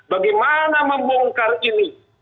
bagaimana membongkar ini